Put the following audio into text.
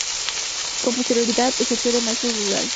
Con posterioridad, ejerció de maestro rural.